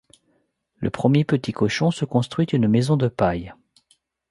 Le premier petit cochon se construit une maison de paille.